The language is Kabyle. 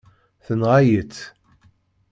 Tenɣa-yi-tt.